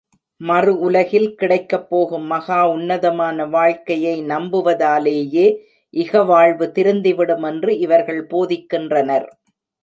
மறு உலகில் கிடைக்கப் போகும் மகா உன்னதமான வாழ்க்கையை நம்புவதாலேயே இகவாழ்வு திருந்திவிடும் என்று இவர்கள் போதிக்கின்றனர்.